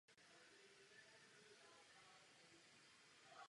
Plavat začala v pěti a první závody absolvovala v šesti letech.